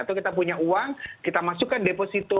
atau kita punya uang kita masukkan deposito